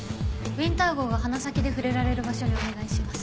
ウィンター号が鼻先で触れられる場所にお願いします。